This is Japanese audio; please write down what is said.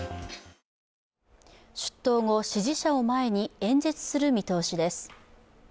出頭後、支持者を前に演説する見通しです。